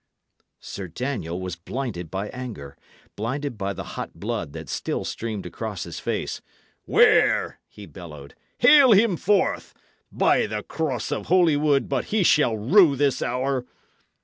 Sir Daniel was blinded by anger blinded by the hot blood that still streamed across his face. "Where?" he bellowed. "Hale him forth! By the cross of Holywood, but he shall rue this hour!"